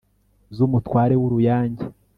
ZUmutware wUruyange